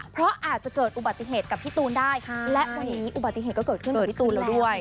เพราะอาจจะเกิดอุบัติเหตุกับพี่ตูนได้และวันนี้อุบัติเหตุก็เกิดขึ้นกับพี่ตูนแล้วด้วย